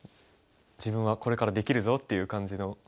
「自分はこれからできるぞ」っていう感じの。